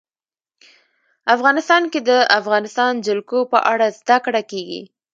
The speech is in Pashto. افغانستان کې د د افغانستان جلکو په اړه زده کړه کېږي.